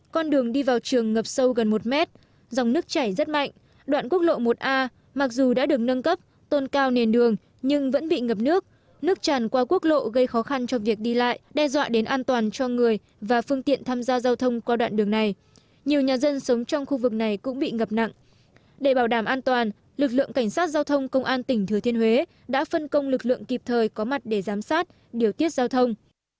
cảnh sát giao thông công an tỉnh thừa thiên huế đã phân công lực lượng kịp thời có mặt để giám sát điều tiết giao thông